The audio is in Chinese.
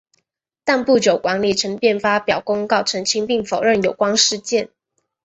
但不久管理层便发表公告澄清并否认有关事件。